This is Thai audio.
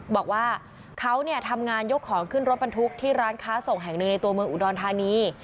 บอกว่าเขาเนี่ยทำงานยกของขึ้นรถบรรทุกที่ร้านค้าส่งแห่งหนึ่งในตัวเมืองอุดรธานี